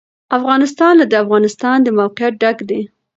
افغانستان له د افغانستان د موقعیت ډک دی.